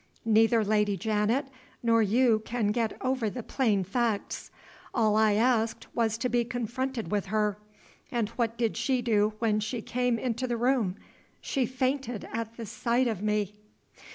Neither Lady Janet nor you can get over the plain facts. All I asked was to be confronted with her. And what did she do when she came into the room? She fainted at the sight of me."